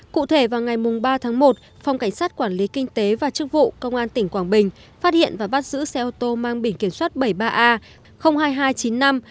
cụ thể vào ngày ba tháng một phòng cảnh sát quản lý kinh tế và chức vụ công an tỉnh quảng bình phát hiện và bắt giữ xe ô tô mang biển kiểm soát bảy mươi ba a hai nghìn hai trăm chín mươi năm